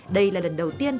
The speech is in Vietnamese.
đây là lần đầu tiên